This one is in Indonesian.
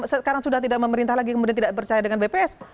sekarang sudah tidak memerintah lagi kemudian tidak percaya dengan bps